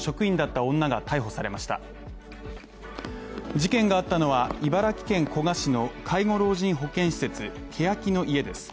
事件があったのは、茨城県古河市の介護老人保健施設けやきの舎です